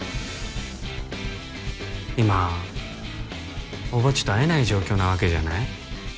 今大庭っちと会えない状況なわけじゃない？